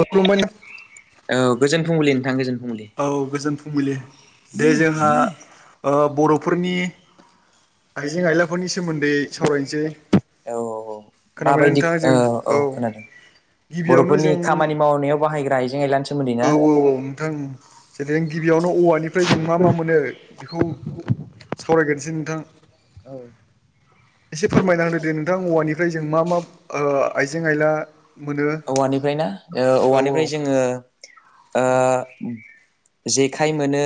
खुलुमबाय नों औ गोजोन फुंबिलि नोंथां गोजोन फुंबिलि औ गोजोन फुंबिलि दे जोंहा ओ बर' फोरनि आइजें आइलाफोरनि सो सोमोन्दै सावरायनोसै औ औ खोनाबायना नोंथाङा जों औ गिबियावनो बर'फोरनि जों खामानि मावनायाव बाहायग्रा आइजें आयलानि सोमोन्दै ना औ औ औ नोंथां ओं रें गिबियावनो औवानिफ्राय जों मा मा मोनो बेखौ सावरायग्रोनसै नोंथां औ एसे फोरमायना होदो दे नोंथां औवानिफ्राय जों मा मा ओ आइजें आइला मोनो औ औवानिफ्राय ना ओ औ औवानिफ्राय जोङो ओ जेखाइ मोनो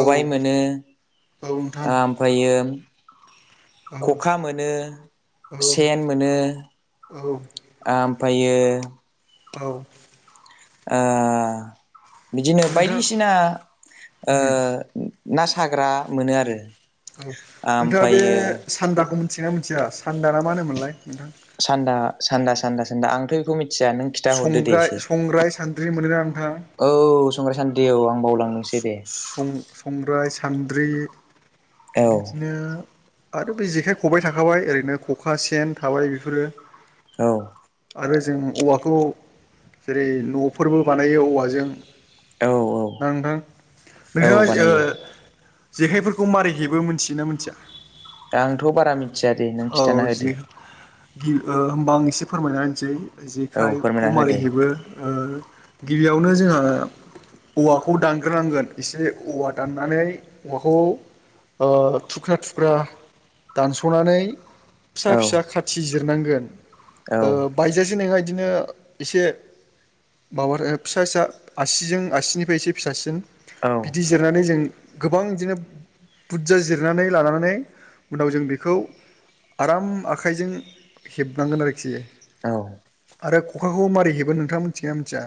औ मोनो औ नोंथां ओ ओमफ्रायो औ खखा मोनो औ सेन मोनो औ ओम फायो औ ओ बिदिनो नोंथां बायदिसिना ओ उम ना साग्रा मोनो आरो औ नोंथाङा बे ओमफ्रायो सान्दाखौ मोनथियो ना मोनथिया सान्दा नामा होनोमोनलाय? नोंथां सान्दा सान्दा सान्दा सान्दा आंथ' बेखौ मि थिया नों खिथाहरदो दे संग्राय एसे संग्राय सान्द्रि मोनोना औ संग्रा सान्द्रि औ आं बावलांदोंसो दे सं संग्राय सा सान्द्रि औ बिदिनो आरो बे जेखाइ खबाय थाखाबाय ओरैनो खखा सेन थाबाय बेफोरो औ आरो जों औवाखौ जेरै न'फोरबो बानायो औवाजों औ औ ना नोंथां औ नोंथाङा ओ बानायो जेखाइफोरखौ मारै हेबो मोनथियोना मोनथिया? दा आंथ' बारा मि औ जि गिबि ओ होमबा आं एसे फोरमायना होनसै औ जेखाइखौ फोरमायना मारै होदो हेबो ओ गिबियावनो जोंङो औवाखौ दानग्रोनांगोन एसे औवा दाननानै औवाखौ ओ थुख्रा थुख्रा दानस'नानै फिसा औ फिसा खाथि जिरनांगोन औ बायजासे नङा बिदिनो एसे माबा फिसासा आसिजों आसिनिफ्रायसे फिसासिन औ बिदि जिरनानै जों गोबां बिदिनो बुर्जा जिरनानै लानानै उनाव जों बेखौ आराम आखाइजों हेबनांगोन आरोखि औ आरो ख'खाखौ मारै हेबो नोंथां मिथिगोनना मिथिया?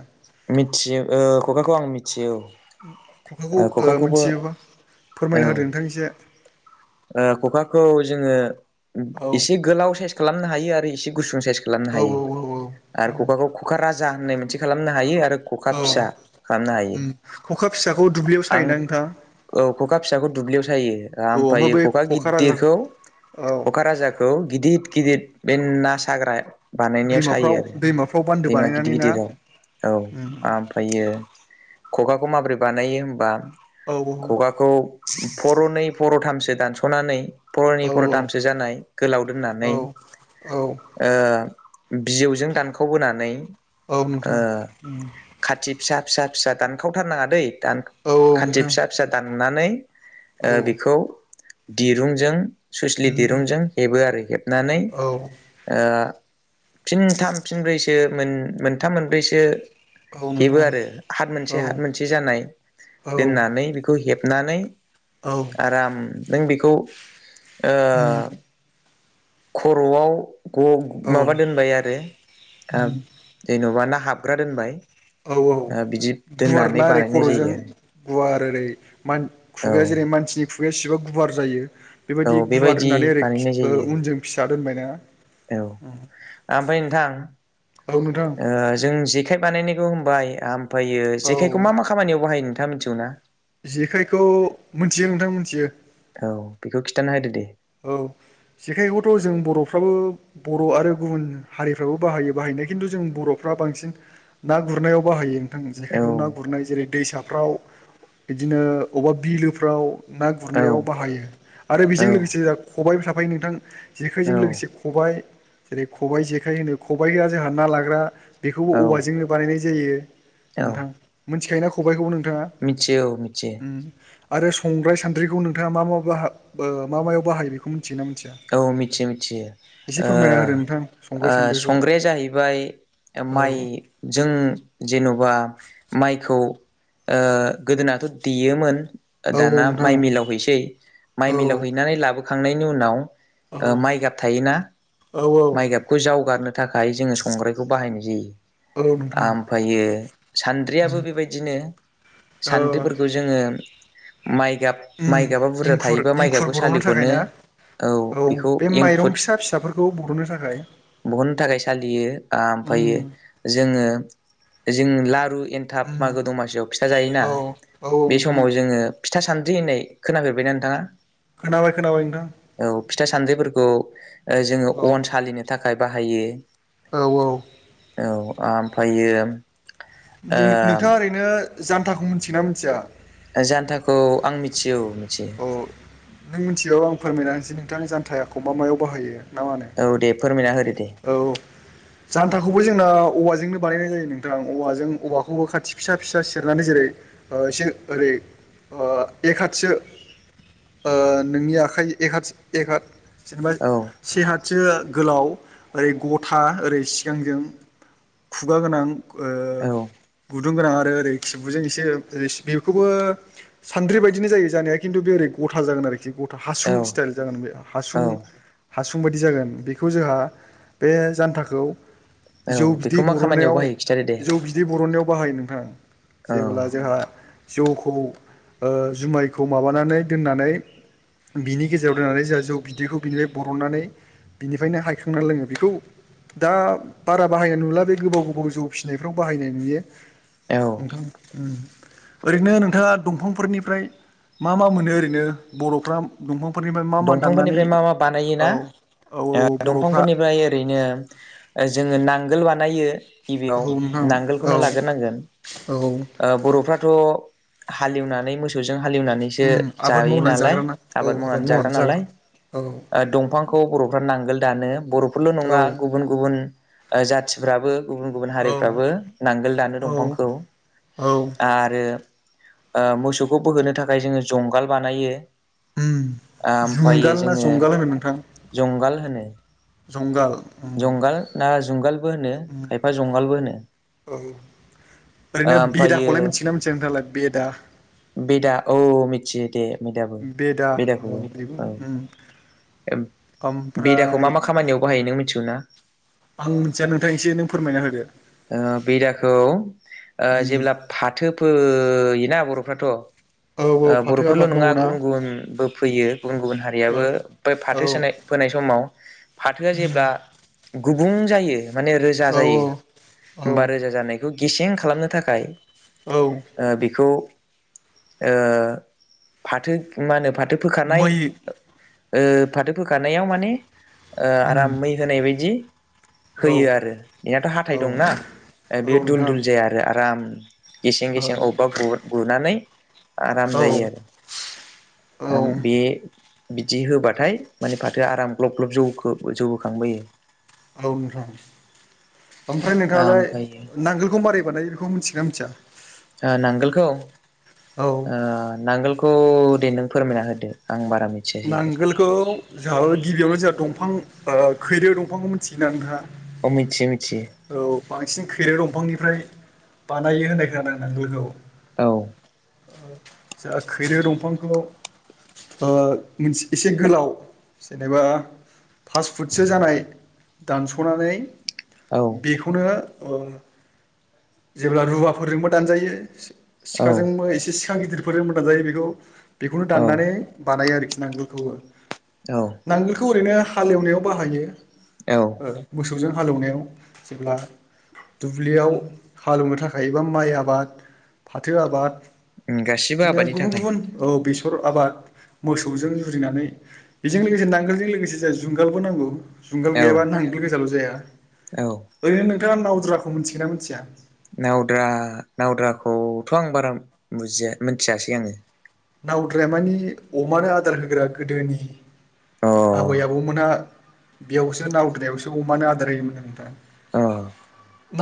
मिथियो ओ ख'खाखौ आं मिथियो औ ख'खाखौ ओ खखाखौबो मिथियोबा औ फोरमायना होदो नोंथां एसे ओ ख'खाखौ जोङो औ एसे गोलाव साइस खालामनो हायो आरो इसे गुसुं साइस बो खालामनो औ हायो औ आरो ख'खाखौ खुखा राजा होननाय मोनसे खालामनो हायो आरो। ख'खा औ फिसा खालामनो हायो उम खखा फिसाखौ दुब्लियाव आं सायोना नोंथां औ ख'खा फिसाखौ दुब्लियाव सायो औ ओमफ्राय ओमफ्रायायो बै ख'खा राजा गिदिरखौ औ क'काराजाखौ गिदिर गिदिर बे ना साग्रा बानायनायाव दैमाफ्राव सायो आरो दैमाफ्राव बान्दो दैमा गिदिर बानायनानै ना गिदिराव औ उम ओमफ्रायो ख'खाखौ माबोरै बानायो होनबा औ ख'खाखौ पर'नै पर'थामसो दानस'नानै औ पर'नैनि बर'थामसो जानाय गोलाव औ दोननानै औ ओ बिजौजों दानख'बोनानै औ नोंथां उम खाथि फिसा फिसा फिसा दानखावथारनाङा दै दान औ औ खाथि नोंथां फिसा फिसा दाननानै ओ औ बेखौ दिरुंजों सुइसलि उम दिरुंजों हेबो आरो हेबनानै औ औ ओ। फिनथाम फिनब्रैसो मोनथाम मोनब्रैसो हेबो नोंथां आरो हाथ औ मोनसे हाथ मोनसे जानाय औ दोननानै बेखौ हेब नानै औ आराम नों बेखौ ओ उम खर'आव ग' औ माबा उम दोनबाय आरो जेन'बा ना हाबग्रा दोनबाय औ औ ओ बिदि गुवार दोननानै ना ओरै बानायनाय खर'जों जायो गुवार ओरै मान आरो खुगाया जेरै मानसिनि खुगाया सिबा गुवार जायो। औ औ बेबायदि गुवार दोननानै ओरै बानायनाय जायो आरो उनजों फिसा दोनबायना। औ ओमफ्राय नोंथां औ नोंथां ओ जों जेखाइ बानायनाय होनबाय ओमफ्रायो औ जेखायखौ मा मा खामानियाव बाहायो नोंथाङ मिथिगौ ना? जेखायखौ मिथियो नोंथां मोनथियो। खोनथाना होदो दे औ जेखाइखौथ' जों बर'फ्राबो बर' आरो गुबुन हारिफ्राबो बाहायो बाहाय खिन्थु जों बर'फ्रा बांसिन ना गुरनायाव बाहायो। जेखाइखौ ना औ गुरनाय जेरै दैसाफ्राव बिदिनो बबेबा बिलोफ्राव ना औ गुरनायाव बाहायो आरो बेजों लोगोसे औ ख'बायाइबो थाफायो नोंथां जेखायजों लोगोसे औ ख'बायाइ जेरै ख'बाइ जेखाय होनो ख'बाइआ जोंहा ना लाग्रा बेखौबो औवा जोंनो बानायनाय जायो औ नोंथां मोनथिखायो ना ख'बाइखौबो नों थाङा मिथियो औ मिथियो उम आरो संग्राय सान्द्रिखौ नोंथाङा मा मा बाहा मा मायाव बाहायो बेखौ मिथियोना मिथिया औ मिथियो मिथियो एसे ओ फोरमायना होदो नोंथां संग्राय ओ सान्द्रिखौ संग्राया जाहैबाय औ माइजों जेन'बा माइखौ ओ गोदोनाथ' देयोमोन औ औ दाना माइ नोंथां मिलाव हैसै माइ औ मिलाव हैनानै लाबोखांनायनि उनाव औ ओ माइगाब थायोना औ औ माइ गाबखौ जावगारनो थाखाय जोङो संग्रायखौ बाहायनाय औ जायो। नोंथां ओमफ्रायो सान्द्रियाबो बेबायदिनो ओ सान्द्रिफोरखौ जोङो माइगाब उम माइगाबा बुरजा इंखुर थायोबा माइ इंखुर गाबखौ बर'नो थाखाय सालिख'नो ना औ बेखौ बे माइरं एंखुद फिसा फिसाफोरखौ बर'नो थाखाय बहननो थाखाय सालियो आ ओमफायो उम जोङो जों लारु एनथाब उम मागो दमासियाव फिथा जायोना औ बे नोंथां समाव जोङो फिथा सानद्रि होननाय खोनाफेरबायना नोंथाङा। खोनाबाय खोनाबाय नोंथां। औ फिथा सान्द्रिफोरखौ ओ जोङो औ अन सालिनो थाखाय बाहायो औ औ औ आमफायो [unintelligible] नोंथाङा ओरैनो जान्थाखौ मोन्थिगोना मोन्थिया ओ जान्थाखौ आं मिथियो औ मिथियो औ नों मिथिबाबो आं फोरमायना होनोसै नोंथांनो जानथायाखौ मा मायाव बाहायो ना मानो औ दे फोरमायना होदो दे औ जान्थाखौबो जोंनाव औवाजोंनो बानायनाय जायो नोंथां औवाजों औवाखौबो खाथि फिसा फिसा सिरनानै जेरै ओ एसे ओरै ओ एक हथसो ओ नोंनि आखाइ एक हात एक हात जेनेबा औ से हातसो गोलाव ओरै गथा ओरै सिगांजों खुगा गोनां ओ औ गुदुं गोनाङा नो ओरै खिबुजों एसे बेखौबो सान्द्रि बायदिनो जायो जानाया खिन्थु बे ओरै गथा जागोन आरो खि गथा हासुं औ स्टाइल जागोन बे हासुं औ हासुं बादि जागोन बेखौ जोहा बे जान्थाखौ जौ औ बिदै बेखौ मा खामानियाव बरननायाव बाहायो खिथादो दे जौ बिदै बरननायाव बाहायो नोंथां औ जेब्ला जोहा जौखौ ओ जुमायखौ माबानानै दोननानै बिनि गेजेराव दोननानै जोहा जौ बिदैखौ बिनिफाय बरननानै बिनिफायनो हायखांनानै लोङो बेखौ दा बारा बाहायनाय नुला बे गोबाव गोबाव जौ फिसिनायफ्राव बाहायनाय नुयो औ ओंखाम ओ ओरैनो नोंथाङा दंफांफोरनिफ्राय मा मा मोनो ओरैनो बर'फ्रा दंफां दंफांफोरनिफ्राय मा मा बानायोना औ ओ औ बर'फ्रा दंफांफोरनिफ्राय ओरैनो ओ जोङो नांगोल बानायो औ गिबियाव नोंथां औ नांगोलखौनो लागोरनांगोन औ ओ बर'फ्रा थ' हालेवनानै मोसौजों हालेवनानैसो उम आबाद जायो मावनानै नालाय जाग्राना औ आबाद मावनानै जा ग्रा जाग्रा नालाय औ दंफांखौ बर'फ्रा नांगोल दानो। बर'फोरल' औ नङा गुबुन गुबुन ओ जाथिफ्राबो गुबुन गुबुन औ हारिफ्राबो नांगोल दानो औ दंफांखौ औ आरो ओ मोसौखौ बोहोनो थाखाय जोङो जंगाल बानायो उम ओमफायो जुंगाल ना जोङो जंगाल होनो नोंथां? जंगाल होनो जंगाल उम जंगाल ना जुंगालबो होनो उम खायफा जंगालबो होनो ओरैनो ओमफायो बेदाखौलाय मिथिगोना मिथिआ नोंथाङालाय बेदा बेदा औ मिथियो दे बेदाबो बेदा औ बेदाखौबो बेबो उम औ। बेदाखौ ओमफ्राय मा मा खामानियाव बाहायो नों मिथिगौ ना आं मिथिया नोंथां एसे नों फोरमायना होदो ओ बेदाखौ ओ उम जेब्ला फाथो फोयोना बर'फ्राथ' औ ओ फाथो बर'फोरल' आबाद नङा मावोना गुबुन गुबुनबो फोयो गुबुन गुबुन हारियाबो ओ बै औ फाथो उम सोनाय फोनाय समाव फाथोआ जेब्ला गु बुं जायो माने रोजा जायो औ औ होमबा रोजा जानायखौ गेसें खालामनो थाखाय औ ओ बेखौ ओ फाथो मा होनो फा थो फोखानाय मै ओ फाथो फोखानायाव माने ओ आराम उम मै होनाय बायदि औ होयो आरो एनाथ' हा थाय औ दंना ओ औ बेयो दुल नोंथां दुल जाया आरो आराम गेसें औ गेसें अबेबा ग गुनानै आराम औ जायो आरो औ आं बे बिदि होबाथाय माने फाथो आराम ग्लब ग्लब जौगो जौहोखांबोयो औ नोंथां ओमफ्राय नोंथाङालाय ओमफ्रायो नांगोलखौ मारै बानाय बेखौ मिथिगोना मिथिया नांगोलखौ औ ओ नांगोलखौ दे नों फोरमायना होदो आं बारा मिथिया जेखौ नांगोलखौ जोंहा गिबियावनो जोंहा दंफां खैरो दंफांखौ मिथिगोना नोंथां? अ मिथियो मि औ बांसिन खैरो दंफांनिफ्राय बानायो होननाय खोनादों आं नांगोलखौ औ जा खैरो दंफांखौ ओ मोनसे एसे गोलाव जेनेबा फास फुटसो जानाय दानस'नानै औ बेखौनो जेब्ला रुवाफोरजोंबो दानजायो औ सिखाजोंबो एसे सिखा गिदिरफोर मोजां जायो बेखौ बेखौनो औ दाननानै बानायो आरोखि नांगौखौ ओ औ बेखौ ओरैनो हालेवनायाव बाहायो औ मोसौजों हालेवनायाव जेब्ला दुब्लियाव हालेवनो थाखाय एबा माइ आबाद फाथो आबाद उम गासिबो इदिनो आबादनि गुबुन थाखाय गुबुन औ बे स [unintelligible] आबाद मोसौजों जुरिनानै बेजों लोगोसे नांगोलजों लोगोसे जाय जुंगालबो नांगौ जुंगाल औ गैयाबानो हांगाल गोसाल' जाया औ नो नोंथांआ नावद्रााखौ मिथिगोना मिथिया? नावद्रा नावद्राखौथ' आं बारा बुजिया मिथियासै आङो नावद्रायामानि अमानो आदार होग्रा गोदोनि अ आबै आबौमोनहा बेयावसो नावद्रायावसो अमानो आदार होयोमोन नो नोंथां अ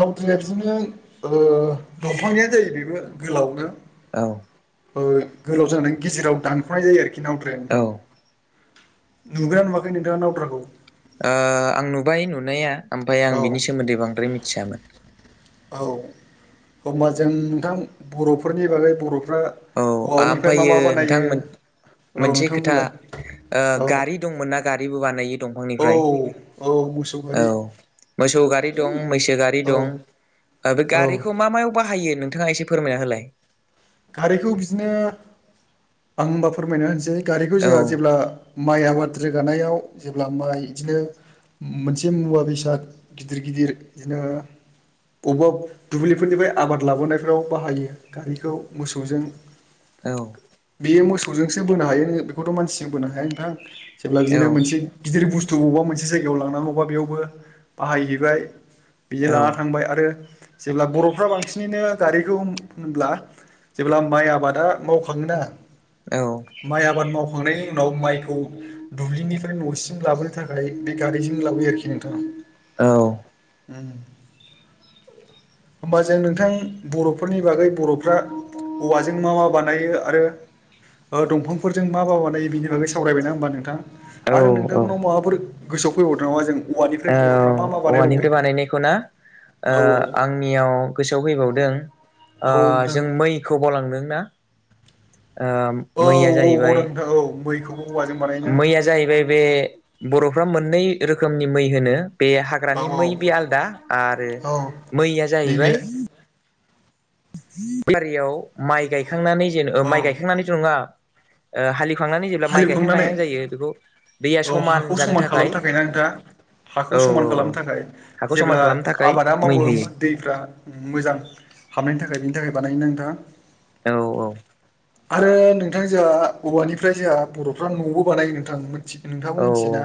नावद्राया बिदिनो ओ दंफांनिनो जायो बेबो गोलावनो औ गोलाव जानानै गेजेराव दानख'नाय जायो आरोखि नावद्राया औ ओ नोंथां नुगोना नुवाखै नोंथाङा नावद्राखौ ओ आं नुबाय नुनाया ओमफाय आं औ बिनि सोमोन्दै बांद्राय मिथियामोन। औ हमबा जों नोंथां बर'फोरनि बागै बर'फ्रा औ औवानिफ्राय मा आमफायो मा बानायो नोंथांमोन औ मोनसे नोंथां खोथा बुंलाय ओ औ गारि दंमोन ना गारिबो बानायो। औ दंफांनिफ्राय औ मोसौ औ गारि मोसौ गारि दं मैसो गारि औ दं। ओ बे औ गारिखौ मा मायाव बाहायो नोंथाङा एसे फोरमायना होलाय खारैखौ बिदिनो आं होनबा फोरमायना होनोसै गारिखौ औ जोंहा जेब्ला माइ आबाद रोगानायाव जेब्ला माइ इदिनो मोनसे मुवा बेसाद गिदिर गिदिर बिदिनो बबेबा दुब्लिफोरनिफ्राय आबाद लाबोनायफोराव बाहायो गारिखौ मोसौजों औ। बेयो मोसौजोंसो बोनो हायो बेखौथ' मानसिजों बोनो हाया नोंथां। जेब्ला औ बिदिनो मोनसे गिदिर बुस थु बवबा मोनसे जायगायाव लांनांगौबा बेयावबो बाहायहैबाय। बियो लाना औ थांबाय आरो जेब्ला बर'फ्रा बांसिनैनो गारिखौ होनब्ला जेब्ला माइ आबादा मावखाङोना माइ आबाद मावखांनायनि उनाव माइखौ दुब्लिनिफ्राय न'सिम लाबोनो थाखाय बे गारिजोंनो लाबोयो आरोखि नोंथा। औ उम होमबा जों नोंथां बर'फोरनि बागै बर'फ्रा औवाजों मा मा बानायो आरो ओ दंफांफोरजों मा मा बानायो बिनि बागै सावरायबायना होमबा नोंथां? औ आरो नोंथांनाव माबाफोर गोसोआव फैबावदों नामा जों औवानिफ्राय बर'फ्रा मा औ मा बानायबावो औवानिफ्राय बानायनायखौ ना? औ ओ आंनियाव गोसोआव फैबावदों औ नोंथां जों मैखौ गलांदोंना? ओ औ मैया औ जाहैबाय बावदों नोंथां औ मैखौबो औवाजों बानायोना मैया जाहैबाय बे बर'फ्रा मोननै रोखोमनि मै होनो। बे हाग्रानि औ मै बे औ आलदा आरो औ मैया नैबे जाहैबाय [inaudible] फारियाव माइ गायखांनानै जेन औ माइ गायखांनानैथ' नङा। ओ हालि खांनानै जेब्ला माइ गायहां गायहां हालेवखांनानै जायो बेखौ औ हाखौ समान खालामनो थाखाय ना नोंथां? हाखौ औ समान औ खालामनो थाखाय। हाखौ समान जेब्ला खालामनो थाखाय आबादा मै मावो होयो होमबा दैफ्रा मोजां हाबनायनि थाखाय बिनि थाखाय बानायोना नोंथा? औ औ। आरो नोंथां जोंहा औवानिफ्राय जोंहा बर'फ्रा न'बो बानायो नोंथां। मिन्थि नोंथाङाबो औ मिथियोना?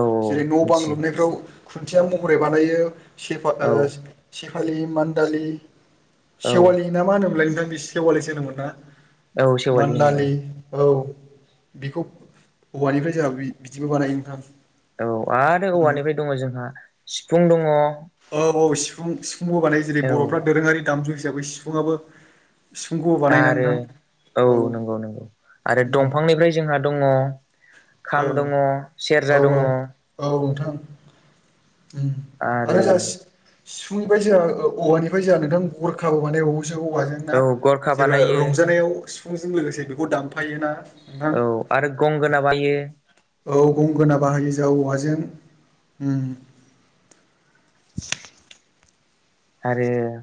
औ जेरै न' बां मिथियो लुनायफ्राव खुन्थिया महरै बानायो। सेफा ओ औ सेफालि मान्दालि औ सेवालि ना मा होनोमोनलाय नोंथां? सेवालिसो होनोमोनना? औ सेवालि होनो मान्दालि औ। बेखौ औवानिफ्राय जोंहा बि-बिदिबो बानायो नोंथां। औ आरो औवानिफ्राय दङ जोंहा सिफुं दङ। औ औ सिफुं सिफुंबो बानायो जेरै बर'फ्रा दोरोङारि दामजु हिसाबै सिफुङाबो सिफुंखौबो बानायोना आरो नोंथां? औ नंगौ नंगौ आरो उम दंफांनिफ्राय जोंहा दङ खाम औ दङ, औ सेरजा औ दङ। औ नोंथां उम आरो जास सिफुंनिफाय जोंहा ओ औवानिफाय जाया नोंथां गरखाबो मानाय बावो। औवाजों ना? औ गरखा जेब्ला बानायो रंजानायाव सिफुंजों लोगोसे बेखौ दानफायो ना? औ आरो गंगोना बा यो। औ गंगोना बाहायो जा औवाजों उम। [unintelligible] आरो